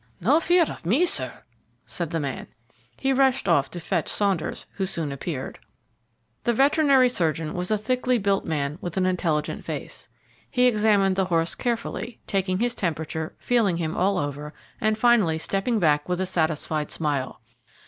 "No fear of me, sir," said the man. He rushed off to fetch Saunders, who soon appeared. The veterinary surgeon was a thickly built man, with an intelligent face. He examined the horse carefully, taking his temperature, feeling him all over, and finally stepping back with a satisfied smile.